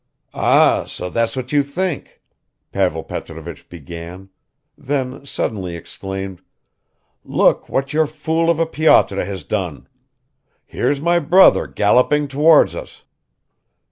"Ah, so that's what you think," Pavel Petrovich began, then suddenly exclaimed, "Look what your fool of a Pyotr has done! Here's my brother galloping towards us."